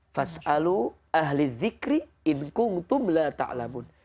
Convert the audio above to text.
fas'alu ahlidh zikri in kung tum la ta'lamun